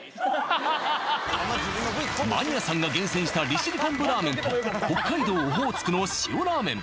マニアさんが厳選した利尻昆布ラーメンと北海道オホーツクの塩ラーメン